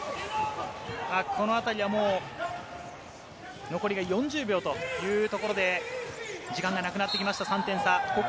このあたりは４０秒というところで時間がなくなってきました、３点差。